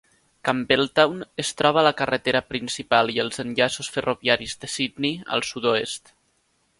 Campbelltown es troba a la carretera principal i els enllaços ferroviaris de Sydney al sud-oest.